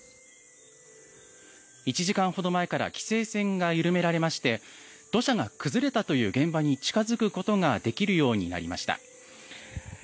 １時間ほど前から規制線が緩められまして土砂が崩れたという現場に近づくことができるようになりました。